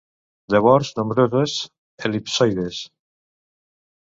Llavors nombroses, el·lipsoides.